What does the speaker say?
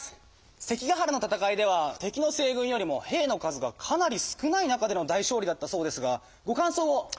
関ヶ原の戦いでは敵の西軍よりも兵の数がかなり少ない中での大勝利だったそうですがご感想を！